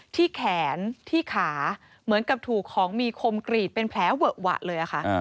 ที่แขนที่ขาเหมือนกับถูกของมีคมกรีดเป็นแผลเวอะหวะเลยค่ะ